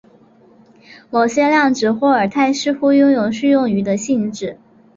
某些量子霍尔态似乎拥有适用于的性质。